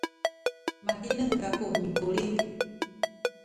matineng kaku mikulit